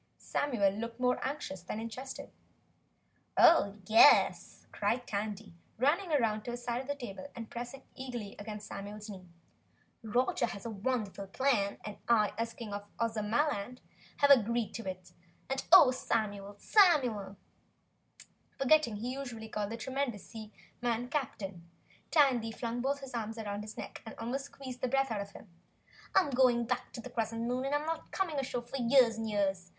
Samuel looked more anxious than interested. "Oh, YES!" cried Tandy, running round to his side of the table and pressing eagerly against Samuel's knee. "Roger has a wonderful plan and I as King of Ozamaland have agreed to it, and oh, Samuel, SAMUEL!" Forgetting he usually called the tremendous seaman "Captain," Tandy flung both arms round his neck and almost squeezed the breath out of him. "I'm going straight back on the Crescent Moon, and I'm not coming ashore for years and years.